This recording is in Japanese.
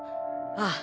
ああ。